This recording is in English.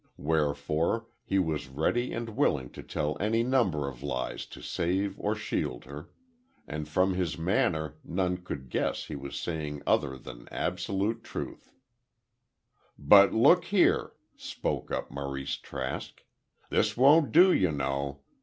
Wherefore, he was ready and willing to tell any number of lies to save or shield her. And from his manner none could guess he was saying other than absolute truth. "But look here," spoke up Maurice Trask. "This won't do, you know.